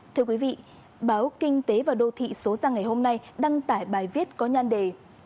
thưa quý vị báo kinh tế và đô thị số ra ngày hôm nay đăng tải bài viết có nhan đề